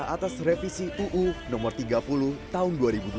atas revisi uu no tiga puluh tahun dua ribu dua puluh